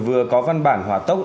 vừa có văn bản hỏa tốc